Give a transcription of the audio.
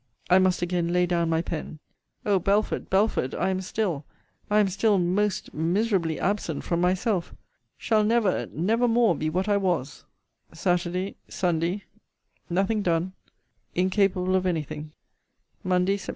I must again lay down my pen. O Belford! Belford! I am still, I am still most miserably absent from myself! Shall never, never more be what I was! Saturday Sunday Nothing done. Incapable of any thing. MONDAY, SEPT.